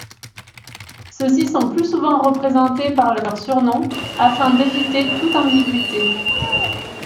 Ceux-ci sont plus souvent représentés par leur surnom afin d'éviter toute ambiguïté.